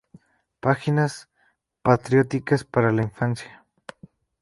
Páginas patrióticas para la infancia".